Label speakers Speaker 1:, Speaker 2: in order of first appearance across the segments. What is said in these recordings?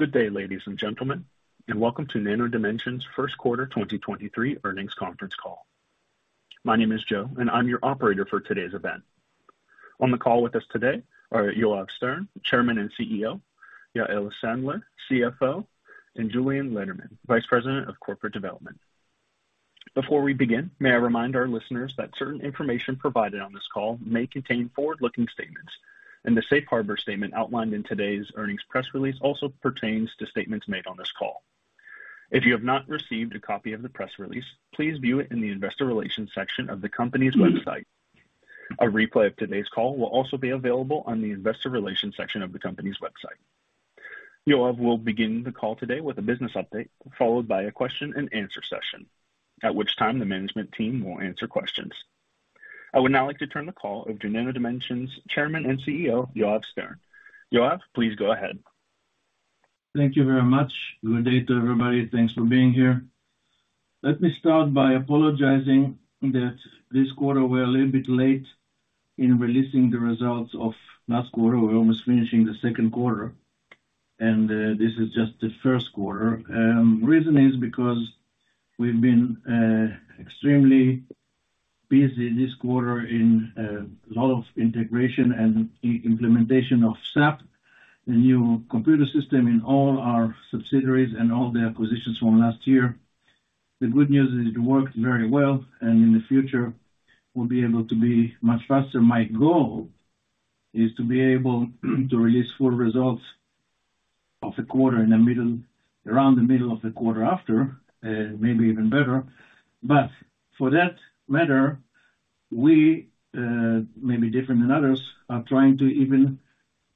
Speaker 1: Good day, ladies and gentlemen, and welcome to Nano Dimension's First Quarter 2023 Earnings Conference Call. My name is Joe, and I'm your operator for today's event. On the call with us today are Yoav Stern, Chairman and CEO, Yael Sandler, CFO, and Julien Lederman, Vice President of Corporate Development. Before we begin, may I remind our listeners that certain information provided on this call may contain forward-looking statements, and the safe harbor statement outlined in today's earnings press release also pertains to statements made on this call. If you have not received a copy of the press release, please view it in the investor relations section of the company's website. A replay of today's call will also be available on the investor relations section of the company's website. Yoav will begin the call today with a business update, followed by a question and answer session, at which time the management team will answer questions. I would now like to turn the call over to Nano Dimension's Chairman and CEO, Yoav Stern. Yoav, please go ahead.
Speaker 2: Thank you very much. Good day to everybody. Thanks for being here. Let me start by apologizing that this quarter we're a little bit late in releasing the results of last quarter. We're almost finishing the second quarter. This is just the first quarter. Reason is because we've been extremely busy this quarter in a lot of integration and implementation of SAP, the new computer system in all our subsidiaries and all the acquisitions from last year. The good news is it worked very well. In the future, we'll be able to be much faster. My goal is to be able to release full results of the quarter around the middle of the quarter after maybe even better. For that matter, we may be different than others, are trying to even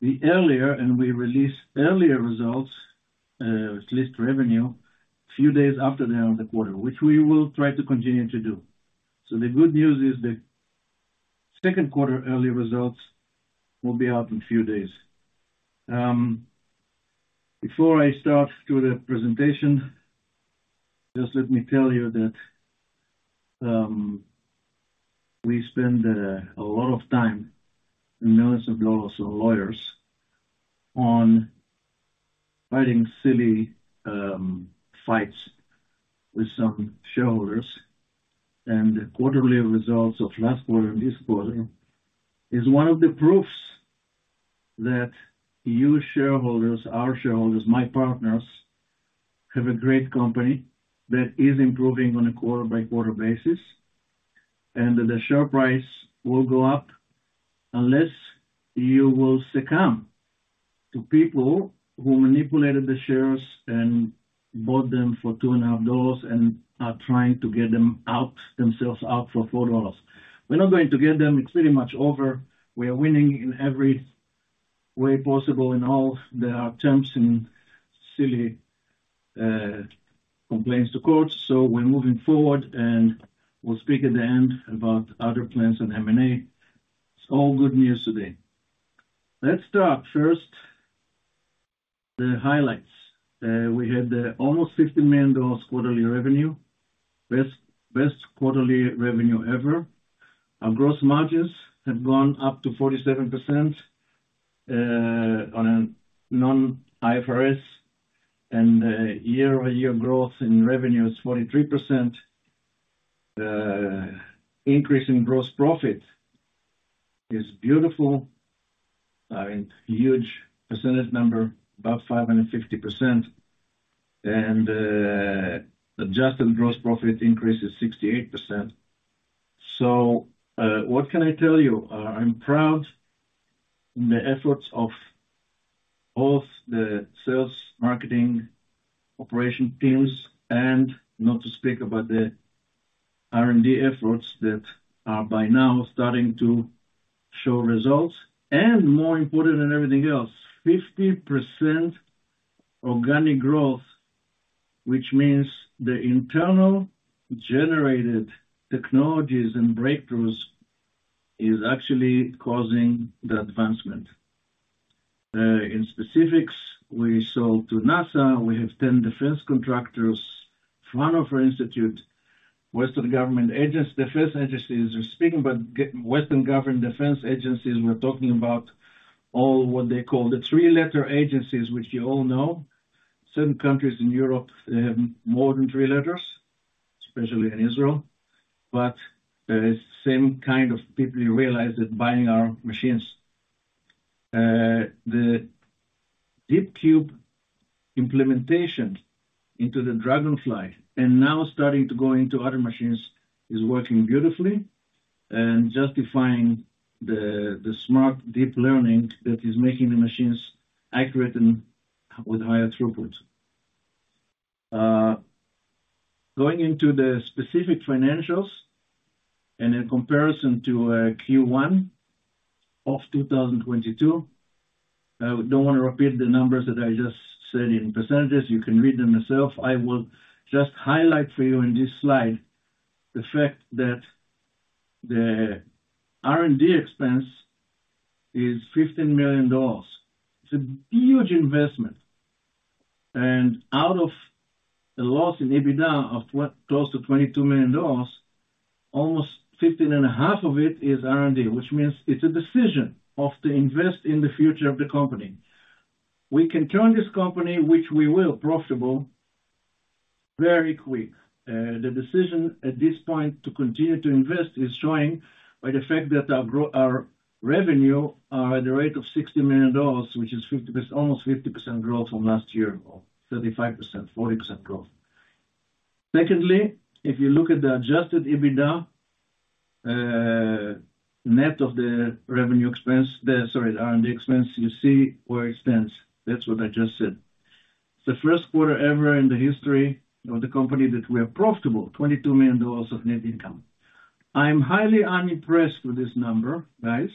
Speaker 2: be earlier, and we release earlier results, at least revenue, few days after the end of the quarter, which we will try to continue to do. The good news is the second quarter early results will be out in few days. Before I start through the presentation, just let me tell you that we spend a lot of time and millions of dollars on lawyers on fighting silly fights with some shareholders, and the quarterly results of last quarter and this quarter is one of the proofs that you shareholders, our shareholders, my partners, have a great company that is improving on a quarter-by-quarter basis, and that the share price will go up unless you will succumb to people who manipulated the shares and bought them for two and a half dollars and are trying to get them out, themselves out for $4. We're not going to get them. It's pretty much over. We are winning in every way possible, in all the attempts in silly complaints to court. We're moving forward, and we'll speak at the end about other plans and M&A. It's all good news today. Let's start. First, the highlights. We had almost $50 million quarterly revenue. Best quarterly revenue ever. Our gross margins have gone up to 47% on a non-IFRS. YoY growth in revenue is 43%. The increase in gross profit is beautiful, I mean, huge percentage number, about 550%. Adjusted gross profit increase is 68%. What can I tell you? I'm proud in the efforts of both the sales, marketing, operation teams, and not to speak about the R&D efforts that are by now starting to show results. More important than everything else, 50% organic growth, which means the internal generated technologies and breakthroughs is actually causing the advancement. In specifics, we sold to NASA. We have 10 defense contractors, Fraunhofer Institute, Western government agents, defense agencies. We're speaking about Western government defense agencies, we're talking about all what they call the three letter agencies, which you all know. Certain countries in Europe, they have more than three letters, especially in Israel, the same kind of people you realize that buying our machines. The DeepCube implementation into the DragonFly, and now starting to go into other machines, is working beautifully and justifying the smart, deep learning that is making the machines accurate and with higher throughput. Going into the specific financials and in comparison to Q1 of 2022, I don't want to repeat the numbers that I just said in percentage. You can read them yourself. I will just highlight for you in this slide the fact that the R&D expense is $15 million. It's a huge investment. Out of the loss in EBITDA of what? Close to $22 million, almost 15.5 of it is R&D, which means it's a decision of to invest in the future of the company. We can turn this company, which we will, profitable very quick. The decision at this point to continue to invest is showing by the fact that our revenue are at the rate of $60 million, which is 50%, almost 50% growth from last year, or 35%, 40% growth. Secondly, if you look at the Adjusted EBITDA, net of the revenue expense, the R&D expense, you see where it stands. That's what I just said. The first quarter ever in the history of the company that we are profitable, $22 million of net income. I'm highly unimpressed with this number, guys,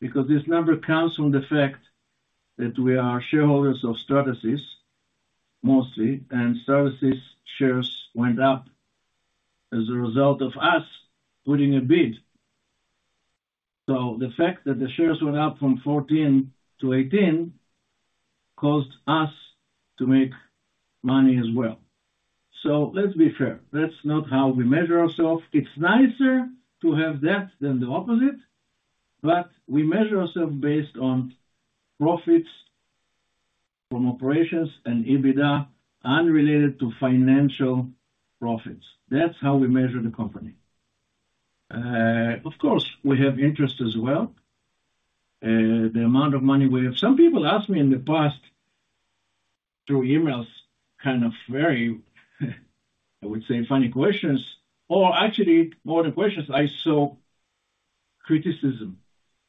Speaker 2: because this number comes from the fact that we are shareholders of Stratasys, mostly, and Stratasys shares went up as a result of us putting a bid. The fact that the shares went up from $14-$18, caused us to make money as well. Let's be fair, that's not how we measure ourselves. It's nicer to have that than the opposite, but we measure ourselves based on profits from operations and EBITDA, unrelated to financial profits. That's how we measure the company. Of course, we have interest as well, the amount of money we have. Some people asked me in the past, through emails, kind of very, I would say, funny questions, or actually, more than questions, I saw criticism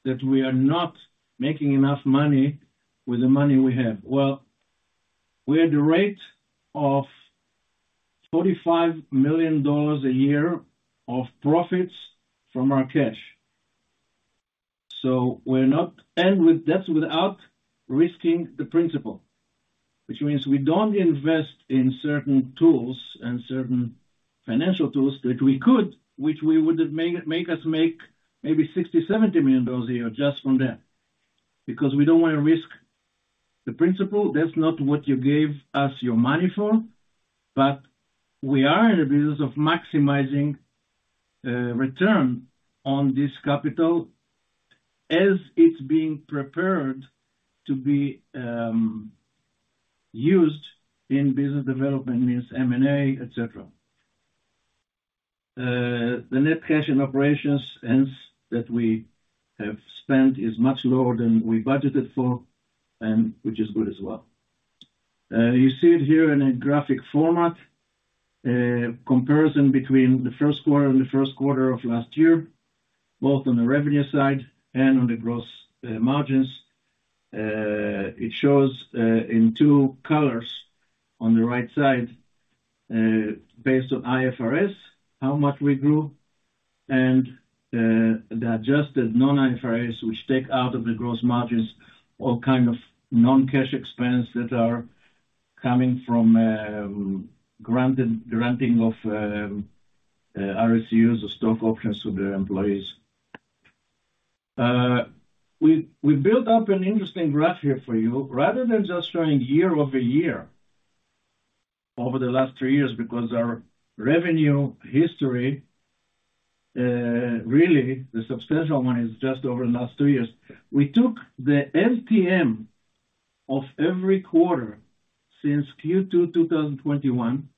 Speaker 2: that we are not making enough money with the money we have. Well, we're at the rate of $45 million a year of profits from our cash. We're not- and with that, without risking the principal, which means we don't invest in certain tools and certain financial tools that we could, which we would make us make maybe $60 million-$70 million a year just from that, because we don't want to risk the principal. That's not what you gave us your money for, but we are in the business of maximizing return on this capital as it's being prepared to be used in business development, means M&A, et cetera. The net cash and operations, hence, that we have spent is much lower than we budgeted for, and which is good as well. You see it here in a graphic format, comparison between the first quarter and the first quarter of last year, both on the revenue side and on the gross margins. It shows in two colors on the right side, based on IFRS, how much we grew, and the Adjusted non-IFRS, which take out of the gross margins, all kind of non-cash expense that are coming from granting of RSUs or stock options to the employees. We built up an interesting graph here for you, rather than just showing YoY, over the last three years, because our revenue history, really, the substantial one is just over the last two years. We took the LTM of every quarter since Q2, 2021,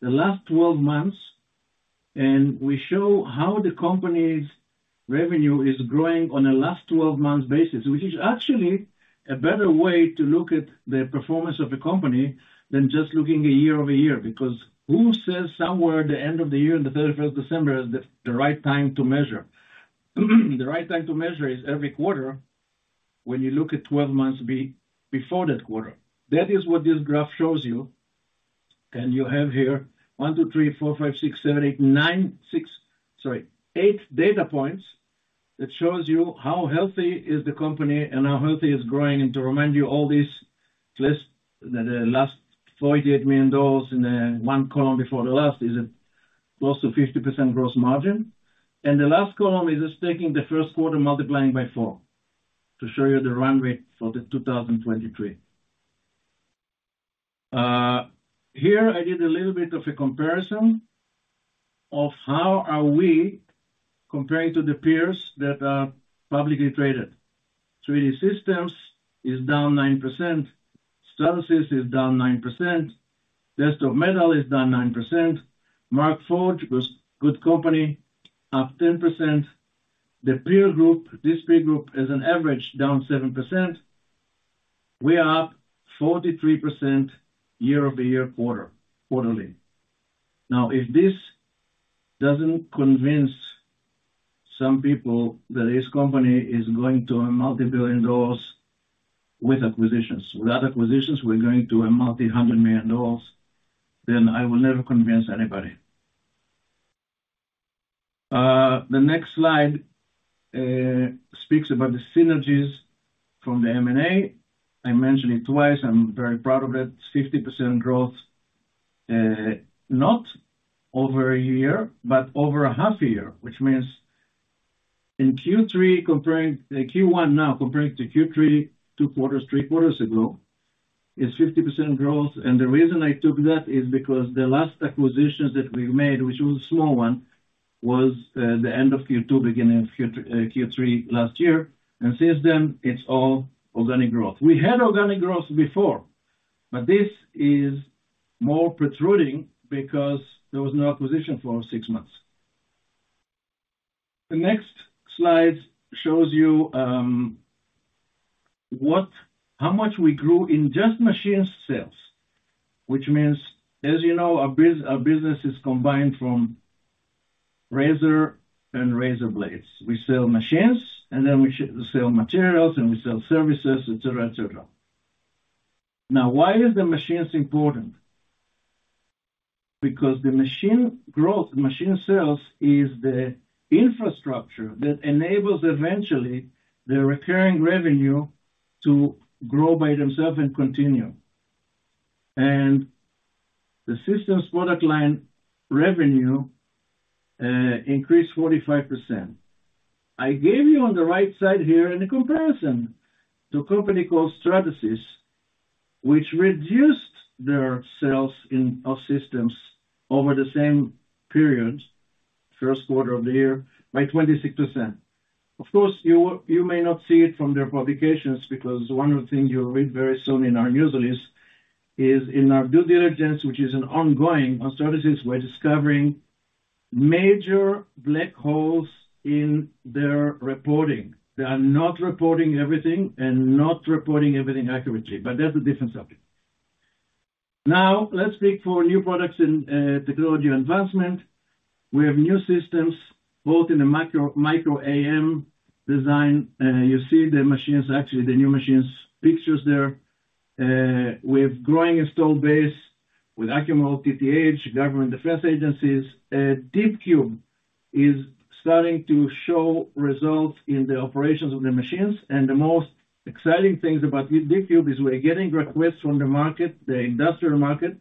Speaker 2: the last 12 months. We show how the company's revenue is growing on a last 12 months basis, which is actually a better way to look at the performance of the company than just looking a YoY. Who says somewhere at the end of the year, on the 31st December, is the right time to measure? The right time to measure is every quarter when you look at 12 months before that quarter. That is what this graph shows you. You have here 1, 2, 3, 4, 5, 6, 7, 8, 9, 6, sorry, 8 data points that shows you how healthy is the company and how healthy it's growing. To remind you, all these list, the last $48 million in the one column before the last, is a close to 50% gross margin. The last column is just taking the first quarter, multiplying by 4, to show you the run rate for 2023. Here I did a little bit of a comparison of how are we comparing to the peers that are publicly traded. 3D Systems is down 9%. Stratasys is down 9%. Desktop Metal is down 9%. Markforged, was good company, up 10%. The peer group, this peer group, as an average, down 7%. We are up 43% YoY, quarter, quarterly. If this doesn't convince some people that this company is going to a multi-billion dollars with acquisitions. Without acquisitions, we're going to a multi-hundred million dollars, then I will never convince anybody. The next slide speaks about the synergies from the M&A. I mentioned it twice, I'm very proud of it. It's 50% growth, not over a year, but over a half a year. In Q3 comparing Q1 now comparing to Q3, two quarters, three quarters ago, is 50% growth. The reason I took that is because the last acquisitions that we made, which was a small one, was the end of Q2, beginning of Q3 last year. Since then, it's all organic growth. We had organic growth before, but this is more protruding because there was no acquisition for six months. The next slide shows you how much we grew in just machine sales, which means, as you know, our business is combined from razor and razor blades. We sell machines, and then we sell materials, and we sell services, et cetera, et cetera. Why is the machines important? The machine growth, the machine sales, is the infrastructure that enables eventually the recurring revenue to grow by themselves and continue. The systems product line revenue increased 45%. I gave you on the right side here, in a comparison to a company called Stratasys, which reduced their sales in our systems over the same period, first quarter of the year, by 26%. You may not see it from their publications, because one of the things you'll read very soon in our news release, is in our due diligence, which is an ongoing on Stratasys, we're discovering major black holes in their reporting. They are not reporting everything and not reporting everything accurately. That's a different subject. Now, let's speak for new products and technology advancement. We have new systems, both in the macro, micro AM design. You see the machines, actually, the new machines pictures there. We have growing installed base with Accumold, TTH, government defense agencies. DeepCube is starting to show results in the operations of the machines. The most exciting things about with DeepCube is we're getting requests from the market, the industrial market,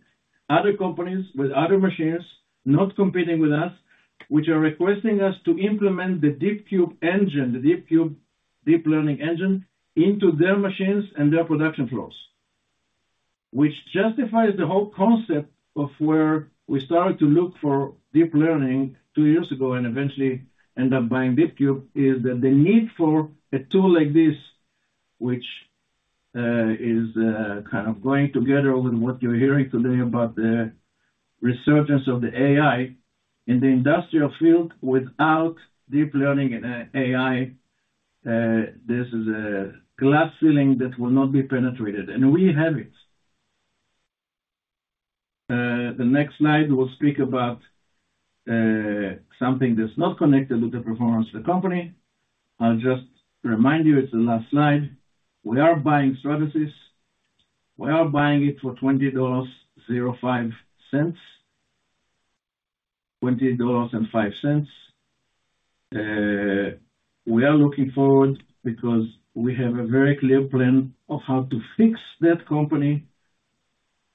Speaker 2: other companies with other machines, not competing with us, which are requesting us to implement the DeepCube engine, the DeepCube deep learning engine, into their machines and their production floors. Justifies the whole concept of where we started to look for deep learning two years ago, and eventually end up buying DeepCube, is that the need for a tool like this, which is kind of going together with what you're hearing today about the resurgence of the AI in the industrial field. Without deep learning and AI, this is a glass ceiling that will not be penetrated, and we have it. The next slide will speak about something that's not connected with the performance of the company. I'll just remind you, it's the last slide. We are buying Stratasys. We are buying it for $20.05. $20.05. We are looking forward because we have a very clear plan of how to fix that company,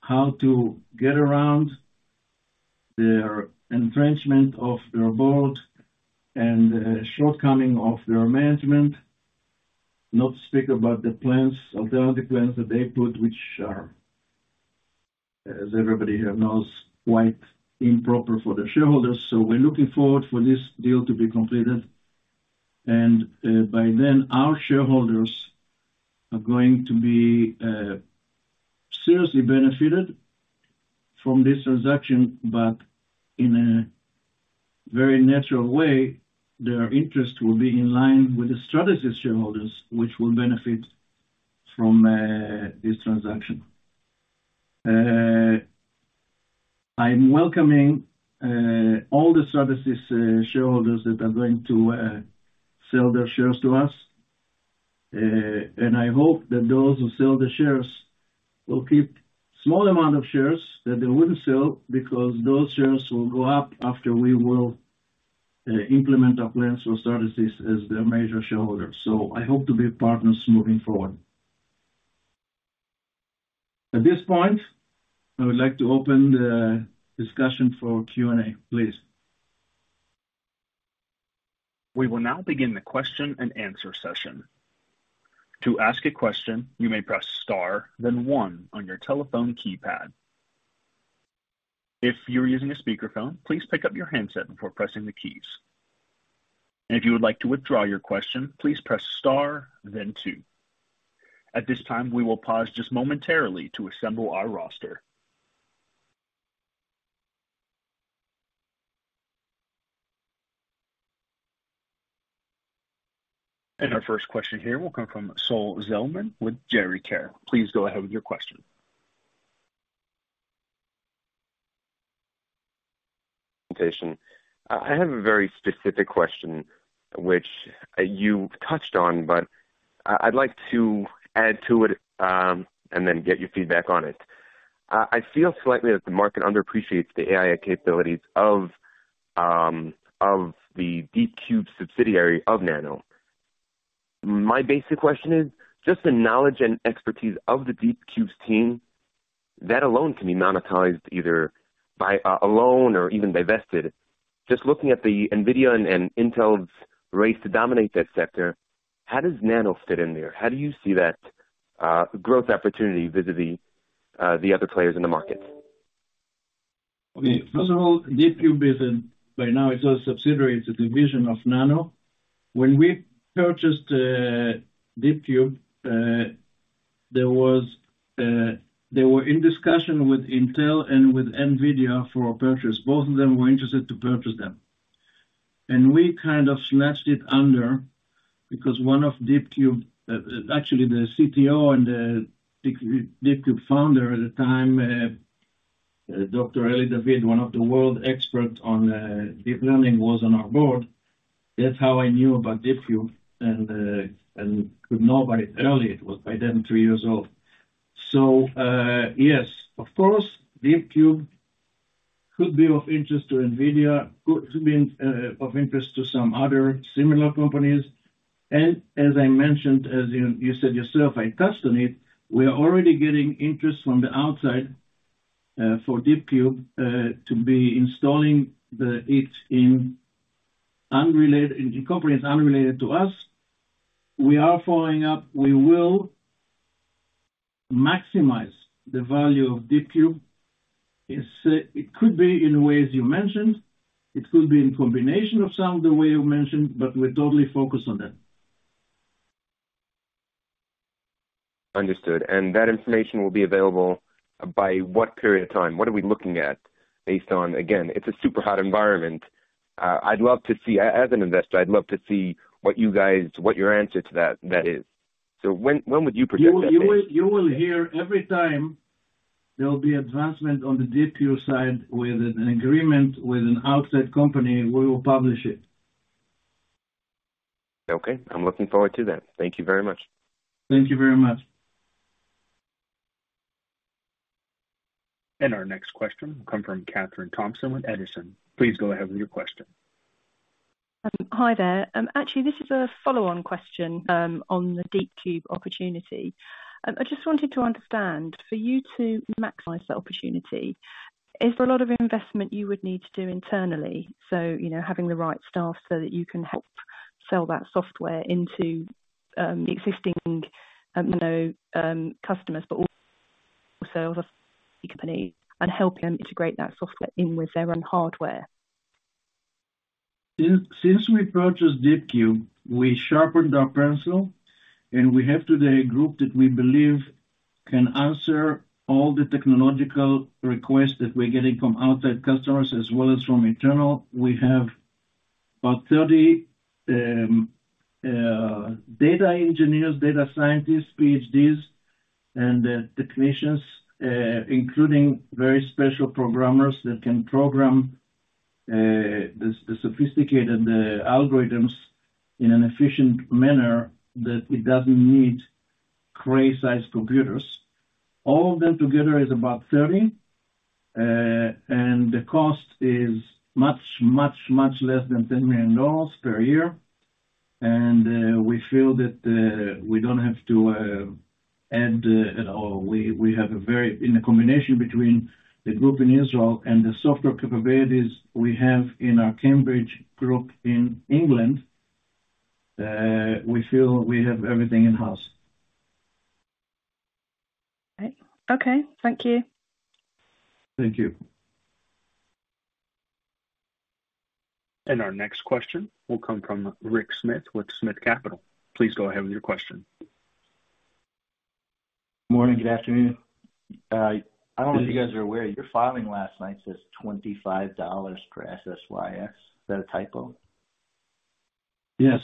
Speaker 2: how to get around their entrenchment of their board, and shortcoming of their management. Not to speak about the plans, alternative plans that they put, which are, as everybody here knows, quite improper for their shareholders. We're looking forward for this deal to be completed, and by then, our shareholders are going to be seriously benefited from this transaction, but in a very natural way, their interest will be in line with the Stratasys shareholders, which will benefit from this transaction. I'm welcoming all the Stratasys shareholders that are going to sell their shares to us. I hope that those who sell the shares will keep small amount of shares that they wouldn't sell, because those shares will go up after we will implement our plans for Stratasys as their major shareholder. I hope to be partners moving forward. At this point, I would like to open the discussion for Q&A, please.
Speaker 1: We will now begin the question and answer session. To ask a question, you may press star, then one on your telephone keypad. If you are using a speakerphone, please pick up your handset before pressing the keys. If you would like to withdraw your question, please press star, then two. At this time, we will pause just momentarily to assemble our roster. Our first question here will come from Sol Zelman with Gericare. Please go ahead with your question.
Speaker 3: I have a very specific question, which you touched on, but I'd like to add to it, and then get your feedback on it. I feel slightly that the market underappreciates the AI capabilities of the DeepCube subsidiary of Nano. My basic question is, just the knowledge and expertise of the DeepCube's team, that alone can be monetized either by, alone or even divested. Just looking at the Nvidia and Intel's race to dominate that sector, how does Nano fit in there? How do you see that, growth opportunity vis-a-vis, the other players in the market?
Speaker 2: First of all, DeepCube is, right now, it's a subsidiary, it's a division of Nano. When we purchased DeepCube, there was, they were in discussion with Intel and with Nvidia for a purchase. Both of them were interested to purchase them. We kind of snatched it under, because one of DeepCube, actually the CTO and the DeepCube founder at the time, Dr. Eli David, one of the world experts on deep learning, was on our board. That's how I knew about DeepCube and could know about it early. It was by then, three years old. Yes, of course, DeepCube could be of interest to Nvidia, could be of interest to some other similar companies. As I mentioned, as you said yourself, I touched on it, we are already getting interest from the outside for DeepCube to be installing the it in companies unrelated to us. We are following up. We will maximize the value of DeepCube. It could be in the ways you mentioned, it could be in combination of some of the way you mentioned, but we're totally focused on that.
Speaker 3: Understood. That information will be available by what period of time? What are we looking at based on...? Again, it's a super hot environment. I'd love to see, as an investor, I'd love to see what you guys, what your answer to that is. When would you project that date?
Speaker 2: You will hear every time there will be advancement on the DeepCube side with an agreement with an outside company, we will publish it.
Speaker 3: Okay. I'm looking forward to that. Thank you very much.
Speaker 2: Thank you very much.
Speaker 1: Our next question will come from Katherine Thompson with Edison. Please go ahead with your question.
Speaker 4: Hi there. Actually, this is a follow-on question on the DeepCube opportunity. I just wanted to understand, for you to maximize that opportunity, is there a lot of investment you would need to do internally? You know, having the right staff so that you can help sell that software into the existing, you know, customers, but also the company, and help them integrate that software in with their own hardware.
Speaker 2: Since we purchased DeepCube, we sharpened our pencil. We have today a group that we believe can answer all the technological requests that we're getting from outside customers as well as from internal. We have about 30 data engineers, data scientists, PhDs, and technicians, including very special programmers that can program the sophisticated algorithms in an efficient manner, that it doesn't need Cray-sized computers. All of them together is about 30. The cost is much, much, much less than $10 million per year. We feel that we don't have to add at all. In a combination between the group in Israel and the software capabilities we have in our Cambridge group in England, we feel we have everything in-house.
Speaker 4: Right. Okay. Thank you.
Speaker 2: Thank you.
Speaker 1: Our next question will come from Rick Smith with Smith Capital. Please go ahead with your question.
Speaker 5: Morning, good afternoon. I don't know if you guys are aware, your filing last night says $25 per SSYS. Is that a typo?
Speaker 2: Yes.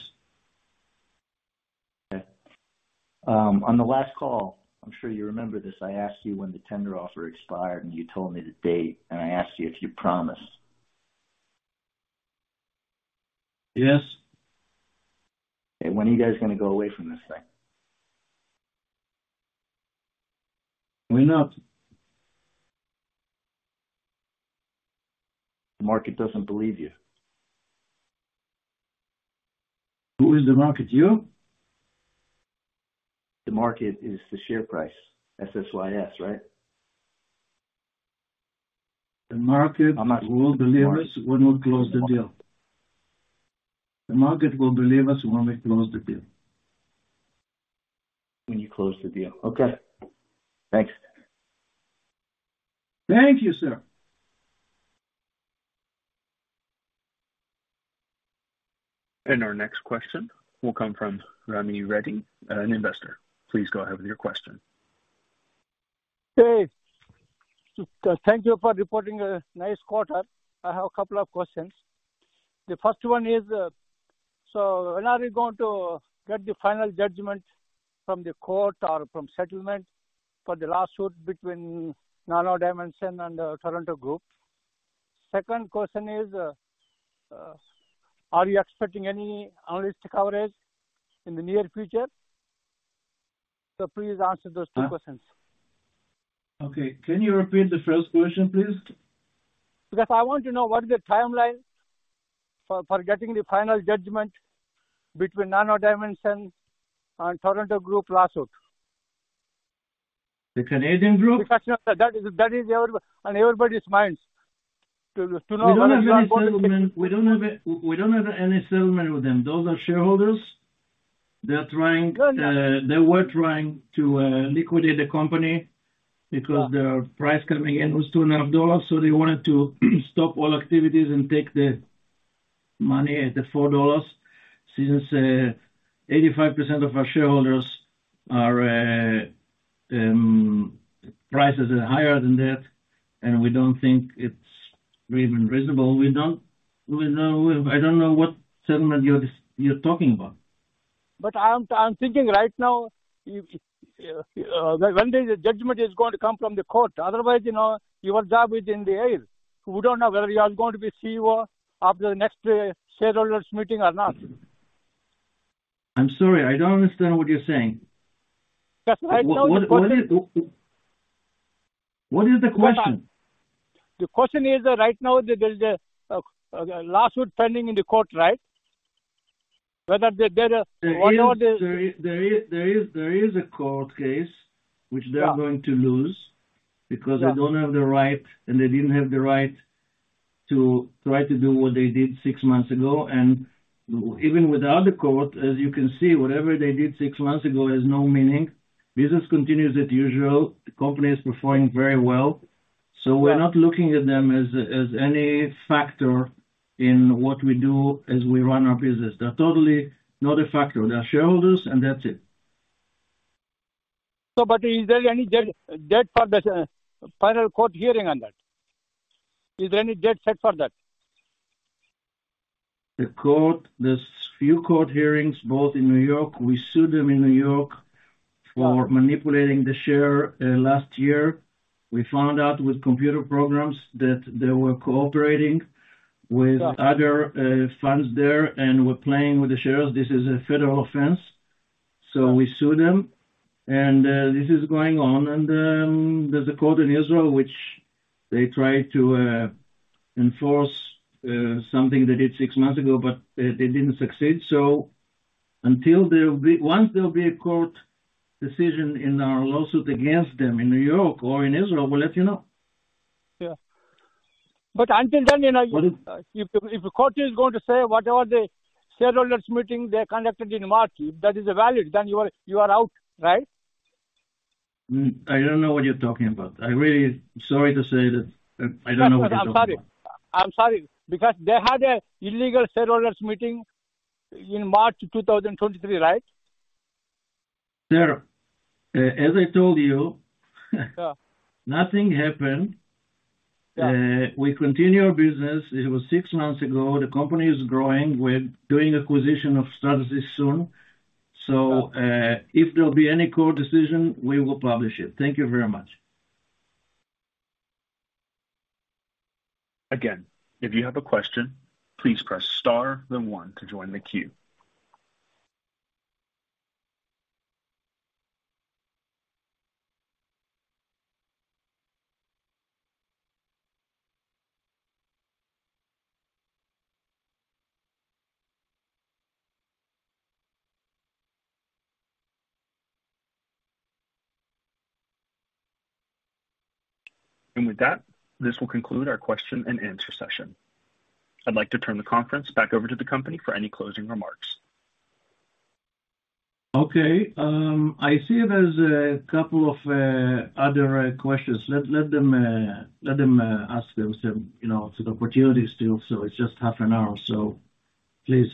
Speaker 5: Okay. On the last call, I'm sure you remember this, I asked you when the tender offer expired, you told me the date, I asked you if you promised.
Speaker 2: Yes.
Speaker 5: Okay, when are you guys gonna go away from this thing?
Speaker 2: We're not.
Speaker 5: The market doesn't believe you.
Speaker 2: Who is the market? You?
Speaker 5: The market is the share price, SSYS, right?
Speaker 2: The market.
Speaker 5: I'm.
Speaker 2: Will believe us when we close the deal. The market will believe us when we close the deal.
Speaker 5: When you close the deal. Okay. Thanks.
Speaker 2: Thank you, sir.
Speaker 1: Our next question will come from Rami Reddy, an investor. Please go ahead with your question.
Speaker 6: Hey, thank you for reporting a nice quarter. I have a couple of questions. The first one is, when are you going to get the final judgment from the court or from settlement for the lawsuit between Nano Dimension and the Toronto group? Second question is, are you expecting any analyst coverage in the near future?... please answer those two questions.
Speaker 2: Okay, can you repeat the first question, please?
Speaker 6: I want to know what the timeline for getting the final judgment between Nano Dimension and Toronto Group lawsuit.
Speaker 2: The Canadian group?
Speaker 6: That is on everybody's minds.
Speaker 2: We don't have any settlement. We don't have any settlement with them. Those are shareholders.
Speaker 6: Yeah, yeah.
Speaker 2: They were trying to liquidate the company.
Speaker 6: Yeah
Speaker 2: their price coming in was two and a half dollars. They wanted to stop all activities and take the money at the $4. Since 85% of our shareholders are prices are higher than that, and we don't think it's reasonable. I don't know what settlement you're talking about.
Speaker 6: I'm thinking right now, if when the judgment is going to come from the court. Otherwise, you know, your job is in the air. We don't know whether you are going to be CEO after the next shareholders meeting or not.
Speaker 2: I'm sorry. I don't understand what you're saying.
Speaker 6: I.
Speaker 2: What is the question?
Speaker 6: The question is that right now, there is a lawsuit pending in the court, right? Whether there.
Speaker 2: There is a court case which they are going to lose because they don't have the right, and they didn't have the right to try to do what they did six months ago. Even without the court, as you can see, whatever they did six months ago has no meaning. Business continues as usual. The company is performing very well.
Speaker 6: Yeah.
Speaker 2: We're not looking at them as any factor in what we do as we run our business. They're totally not a factor. They're shareholders, and that's it.
Speaker 6: But is there any dead, date for the final court hearing on that? Is there any date set for that?
Speaker 2: The court, there's few court hearings, both in New York. We sued them in New York for manipulating the share, last year. We found out with computer programs that they were cooperating with-
Speaker 6: Yeah
Speaker 2: other funds there and were playing with the shares. This is a federal offense, so we sue them, and this is going on. There's a court in Israel, which they tried to enforce something they did six months ago, but they didn't succeed. Once there will be a court decision in our lawsuit against them in New York or in Israel, we'll let you know.
Speaker 6: Yeah. Until then, you know-
Speaker 2: What is-
Speaker 6: If the court is going to say whatever the shareholders meeting they conducted in March, that is valid, you are out, right?
Speaker 2: I don't know what you're talking about. I'm really sorry to say that, I don't know what you're talking about.
Speaker 6: I'm sorry. I'm sorry, because they had an illegal shareholders meeting in March 2023, right?
Speaker 2: Sir, as I told you,
Speaker 6: Yeah.
Speaker 2: Nothing happened.
Speaker 6: Yeah.
Speaker 2: We continue our business. It was six months ago. The company is growing. We're doing acquisition of Stratasys soon.
Speaker 6: Yeah.
Speaker 2: If there'll be any court decision, we will publish it. Thank you very much.
Speaker 1: Again, if you have a question, please press star then one to join the queue. With that, this will conclude our question and answer session. I'd like to turn the conference back over to the company for any closing remarks.
Speaker 2: Okay, I see there's a couple of other questions. Let them ask those. You know, it's an opportunity still, so it's just half an hour, so please.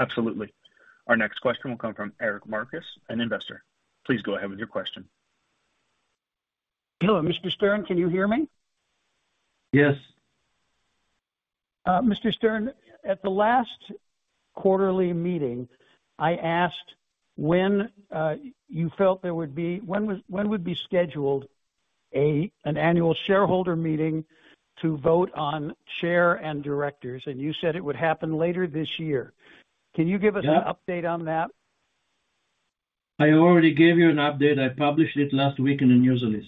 Speaker 1: Absolutely. Our next question will come from Eric Marcus, an investor. Please go ahead with your question.
Speaker 7: Hello, Mr. Stern, can you hear me?
Speaker 2: Yes.
Speaker 7: Mr. Stern, at the last quarterly meeting, I asked when would be scheduled an annual shareholder meeting to vote on chair and directors, and you said it would happen later this year.
Speaker 2: Yeah.
Speaker 7: Can you give us an update on that?
Speaker 2: I already gave you an update. I published it last week in the news release.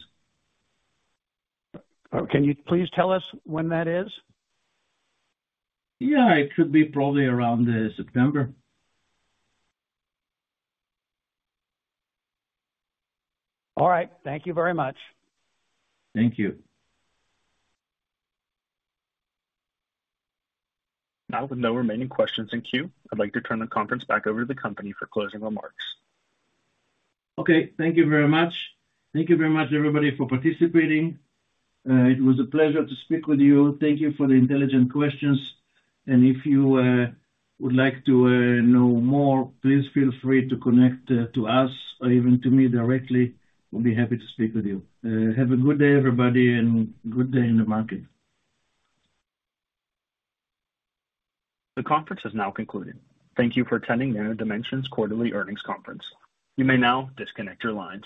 Speaker 7: Can you please tell us when that is?
Speaker 2: Yeah, it should be probably around September.
Speaker 7: All right. Thank you very much.
Speaker 2: Thank you.
Speaker 1: Now, with no remaining questions in queue, I'd like to turn the conference back over to the company for closing remarks.
Speaker 2: Okay. Thank you very much. Thank you very much, everybody, for participating. It was a pleasure to speak with you. Thank you for the intelligent questions. If you would like to know more, please feel free to connect to us or even to me directly. We'll be happy to speak with you. Have a good day, everybody, and good day in the market.
Speaker 1: The conference has now concluded. Thank you for attending Nano Dimension's quarterly earnings conference. You may now disconnect your lines.